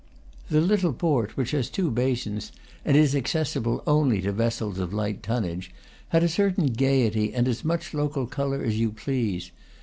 The little port, which has two basins, and is ac cessible only to vessels of light tonnage, had a certain gayety and as much local color as you please.